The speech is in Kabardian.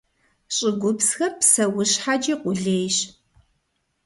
ЩӀыгупсхэр псэущхьэкӀи къулейщ.